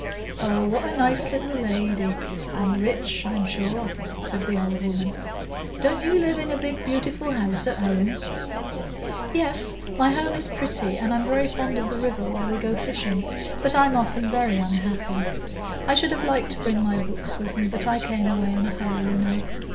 "Oh, what a nice little lady!—and rich, I'm sure," said the old woman. "Didn't you live in a beautiful house at home?" "Yes, my home is pretty, and I'm very fond of the river, where we go fishing, but I'm often very unhappy. I should have liked to bring my books with me, but I came away in a hurry, you know.